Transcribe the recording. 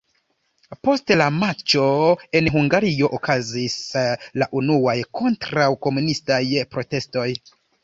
Post la matĉo en Hungario okazis la unuaj kontraŭ-komunistaj protestoj.